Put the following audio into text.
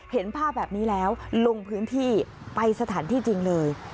เห็นภาพแบบนี้แล้วลงพื้นที่ไปสถานที่จริงเลย